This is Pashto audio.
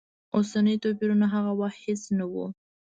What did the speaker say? اوسني توپیرونه هغه وخت هېڅ نه و.